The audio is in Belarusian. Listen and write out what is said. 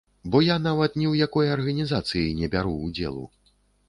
Бо я нават ні ў якой арганізацыі не бяру ўдзелу.